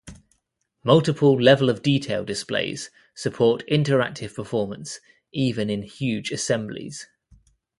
Multiple level-of-detail displays support interactive performance even in huge assemblies.